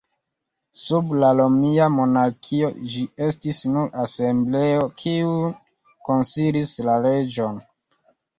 Sub la Romia monarkio, ĝi estis nur asembleo kiu konsilis la reĝon.